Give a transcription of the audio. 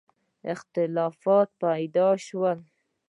اختلافات پیدا شول.